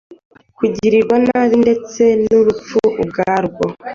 kugirirwa nabi ndetse n’urupfu ubwarwo.